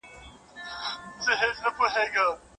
مګر که د پیغام له اړخه ورته وکتل سي